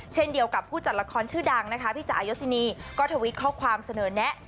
เช่นเดียวกับผู้จัดละครชื่อดังนะคะพี่จ่ายศินีก็ทวิตข้อความเสนอแนะ